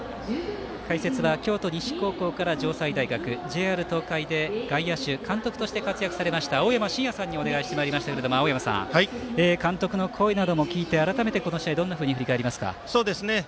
解説は京都西高校から城西大学ＪＲ東海で外野手、監督として活躍されました青山眞也さんにお願いしてまいりましたけれども監督の声なども聞いて改めてこの試合どのように振り返りますか？